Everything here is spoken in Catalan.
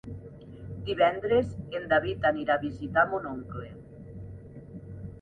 Divendres en David anirà a visitar mon oncle.